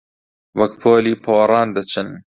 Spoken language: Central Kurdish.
وەک پۆلی پۆڕان دەچن